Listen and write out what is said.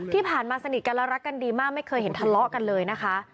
สนิทกันและรักกันดีมากไม่เคยเห็นทะเลาะกันเลยนะคะ